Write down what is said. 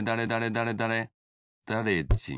「だれだれだれじん」